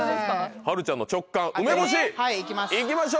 はるちゃんの直感梅干し。